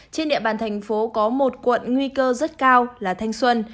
trên địa bàn thành phố có một quận nguy cơ rất cao là thanh xuân